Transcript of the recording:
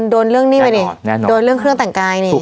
โดนเรื่องหนี้ไปนี่โดนเรื่องเครื่องแต่งกายนี่